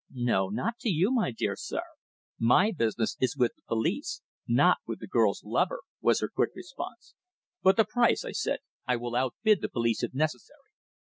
"No, not to you, my dear sir. My business is with the police, not with the girl's lover," was her quick response. "But the price," I said. "I will outbid the police if necessary."